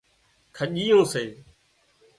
ڳنڄيون سي